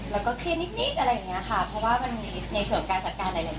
แล้วก็เครียดนิดอะไรอย่างเงี้ยค่ะเพราะว่ามันมีในส่วนของการจัดการหลายหลาย